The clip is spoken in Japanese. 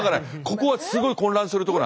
ここはすごい混乱するところなんです。